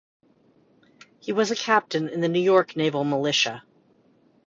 He was a Captain in the New York Naval Militia.